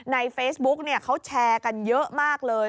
ในเฟซบุ๊กเขาแชร์กันเยอะมากเลย